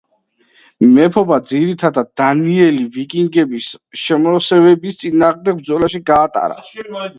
მეფობა ძირითადად დანიელი ვიკინგების შემოსევების წინააღმდეგ ბრძოლაში გაატარა.